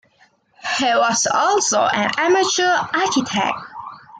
He was also an amateur architect.